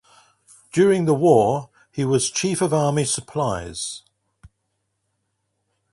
During the war he was Chief of Army Supplies.